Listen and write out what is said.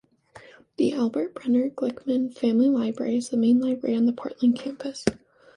The Albert Brenner Glickman Family Library is the main library on the Portland Campus.